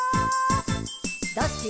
「どっち？」